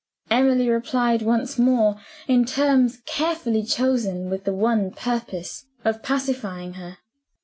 Emily replied once more, in terms carefully chosen with the one purpose of pacifying her.